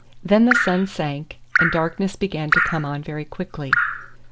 Then the sun sank, and darkness began to come on very quickly.